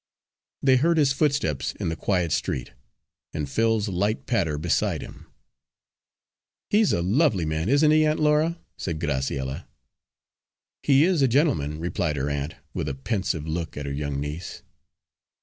They heard his footsteps in the quiet street, and Phil's light patter beside him. "He's a lovely man, isn't he, Aunt Laura?" said Graciella. "He is a gentleman," replied her aunt, with a pensive look at her young niece.